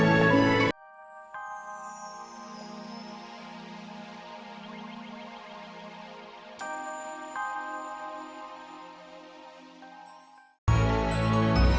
obatnya kacau betul ada di office office